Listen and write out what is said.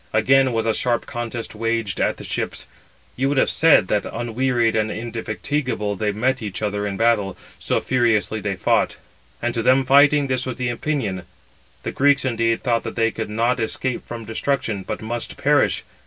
Again was a sharp contest waged at the ships. You would have said that unwearied and indefatigable they met each other in battle, so furiously they fought. And to them fighting this was the opinion: the Greeks, indeed, thought that they could not escape from destruction, but must perish.